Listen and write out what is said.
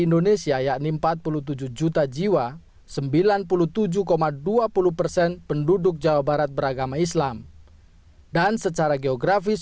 indonesia yakni empat puluh tujuh juta jiwa sembilan puluh tujuh dua puluh persen penduduk jawa barat beragama islam dan secara geografis